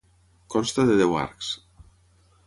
Consta de deu arcs.